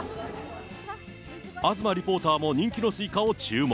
東リポーターも人気のスイカを注文。